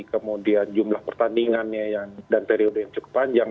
kemudian jumlah pertandingannya dan periode yang cukup panjang